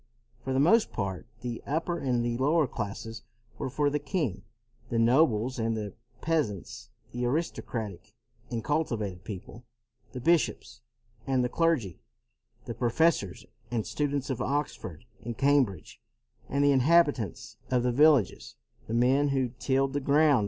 For the most part the upper and the lower classes were for the king, the nobles and the peasants, the aristocratic and cultivated people, the bishops and the clergy, the professors and students of Ox ford and Cambridge, and the inhabitants of the villages, the men who tilled the ground.